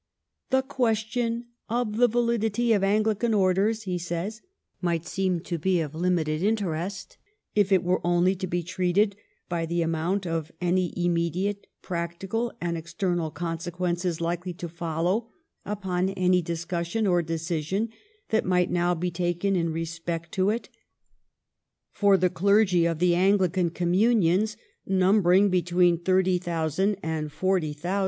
" The question of the validity of Anglican orders," he says, "might seem to be of limited interest if it were only to be treated by the amount of any immediate, practical, and external consequences likely to follow upon any discussion or decision that might now be taken in respect to it. For the clergy of the Anglican communions, number ing between thirty thousand and forty thousand.